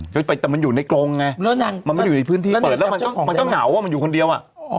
ไปแต่มันอยู่ในกรงไงมันไม่อยู่ในพื้นที่เปิดแล้วมันก็เหงามันอยู่คนเดียวอ่ะ